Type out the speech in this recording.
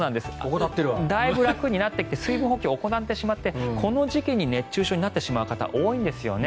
だいぶ楽になってきて水分補給怠ってしまってこの時期に熱中症になってしまう方多いんですよね。